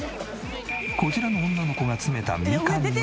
こちらの女の子が詰めたみかんの数は。